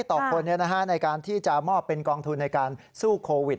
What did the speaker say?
ต่อคนในการที่จะมอบเป็นกองทุนในการสู้โควิด